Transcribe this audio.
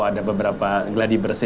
ada beberapa gladi bersih